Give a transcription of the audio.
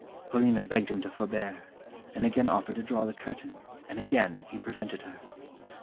Paulina begged him to forbear, and again offered to draw the curtain, and again he prevented her.